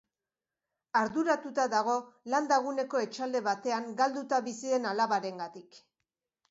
Arduratuta dago landa guneko etxalde batean galduta bizi den alabarengatik.